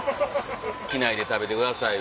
「機内で食べてください」